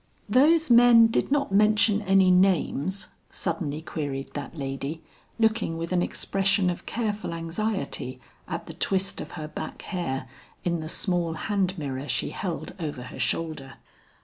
"Those men did not mention any names?" suddenly queried that lady, looking with an expression of careful anxiety, at the twist of her back hair, in the small hand mirror she held over her shoulder.